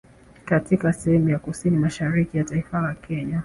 Katika sehemu ya kusini mashariki ya taifa la Kenya